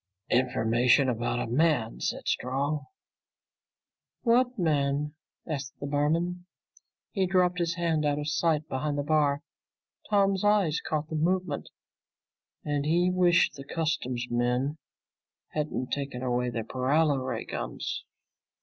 "Information about a man," said Strong. "What man?" asked the barman. He dropped his hand out of sight behind the bar. Tom's eye caught the move and he wished the customs men hadn't taken away their paralo ray guns.